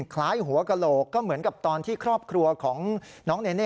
คล้ายหัวกระโหลกก็เหมือนกับตอนที่ครอบครัวของน้องเนเน่